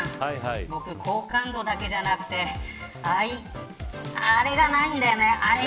僕、好感度だけじゃなくてあれがないんだよね。